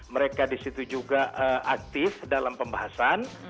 mereka di situ juga aktif dalam pembahasan